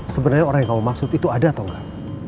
sebenernya orang yang kamu maksud itu ada atau nggak